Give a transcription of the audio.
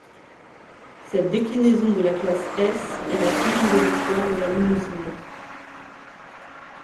Cette déclinaison de la Classe S est la première de l'histoire de la limousine.